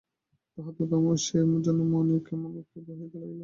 তাঁহার দাদামহাশয়ের জন্য মনে কেমন একটা ভয় হইতে লাগিল।